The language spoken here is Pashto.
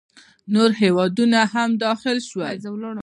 نور هیوادونه هم داخل شول.